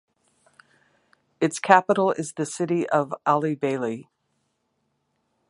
Its capital is the city of Alibeili.